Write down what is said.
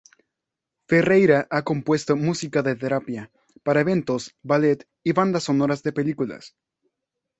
Ferreyra ha compuesto música de terapia, para eventos, ballet y bandas sonoras de películas.